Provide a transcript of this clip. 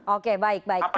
oke baik baik terakhir